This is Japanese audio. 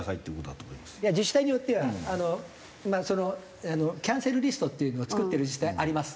いや自治体によってはあのまあそのキャンセルリストっていうのを作ってる自治体あります。